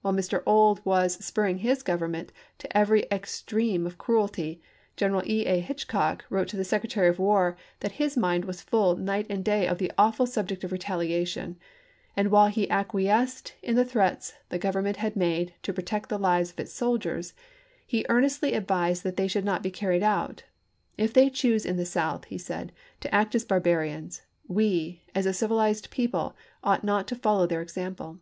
While Mr. Ould was spur ring his Government to every extremity of cruelty, General E. A. Hitchcock wrote to the Secretary of War that his mind was full night and day of the 456 ABKAHAM LINCOLN chap. xvi. awf ul subject of retaliation, and while he acquiesced in the threats the Government had made to pro tect the lives of its soldiers, he earnestly advised that they be not carried out. " If they choose in mentaof the South," he said, " to act as barbarians, we, as a Prisoners " P. 318. ' civilized people, ought not to follow their example."